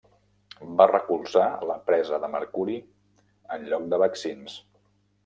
Va recolzar la presa de mercuri en lloc de vaccins.